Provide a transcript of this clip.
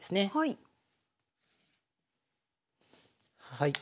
はい。